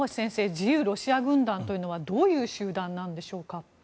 自由ロシア軍団というのはどういう集団なんでしょうか？